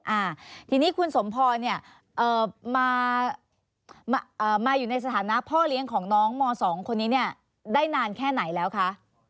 อ่าทีนี้คุณสมพรมาอยู่ในสถานะพ่อเลี้ยงของน้องม๒คนนี้ได้นานแค่ไหนแล้วคะ